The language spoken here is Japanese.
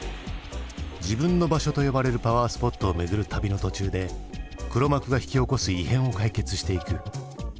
自分の場所と呼ばれるパワースポットを巡る旅の途中で黒幕が引き起こす異変を解決していく。